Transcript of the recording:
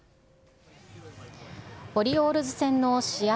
オリオールズ戦の試合